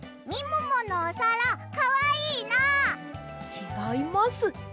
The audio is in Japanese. ちがいます。